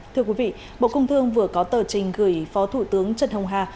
thưa quý vị bộ công thương vừa có tờ trình gửi phó thủ tướng trần hồng hà